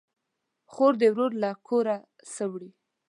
خور ده ورور له کوره سه وړي